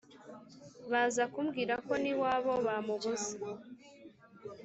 baza kumbwira ko n` iwabo bamubuze .